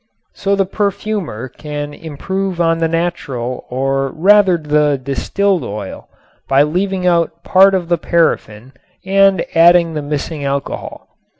So the perfumer can improve on the natural or rather the distilled oil by leaving out part of the paraffin and adding the missing alcohol.